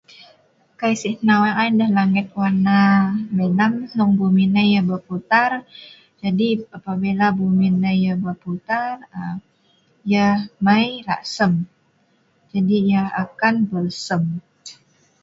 Kai si' hnau eek ai ndeh langet warna milam hnong bumi nai yeh berputar jadi apabila bumi nai yeh berputar yeh mai laksem, jadi yeh akan belsem'